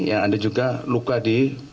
ada juga luka di